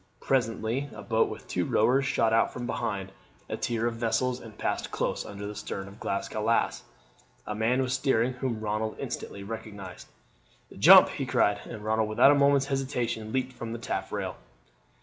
Presently a boat with two rowers shot out from behind a tier of vessels and passed close under the stern of the Glasgow Lass. A man was steering whom Ronald instantly recognized. "Jump!" he cried, and Ronald without a moment's hesitation leaped from the taffrail.